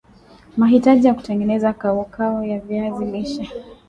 mahitaji ya kutengeneza kaukau ya viazi lishe